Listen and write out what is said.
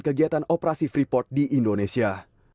kegiatan operasi freeport di indonesia